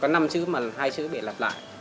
có năm chữ mà hai chữ để lặp lại